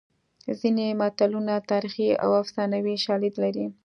ځینې متلونه تاریخي او افسانوي شالید لري